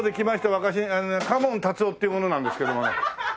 私嘉門タツオという者なんですけどもね。